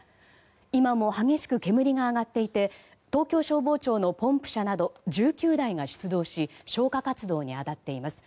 今も激しく煙が上がっていて東京消防庁のポンプ車など１９台が出動し消火活動に当たっています。